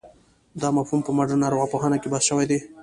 دا مفهوم په مډرنه ارواپوهنه کې بحث شوی دی.